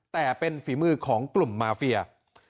แต่เป็นฝีมือของกลุ่มมาเฟีย